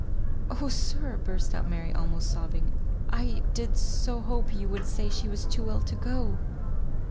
"Oh, sir!" burst out Mary, almost sobbing; "I did so hope you would say she was too ill to go."